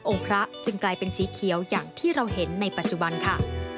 พระจึงกลายเป็นสีเขียวอย่างที่เราเห็นในปัจจุบันค่ะ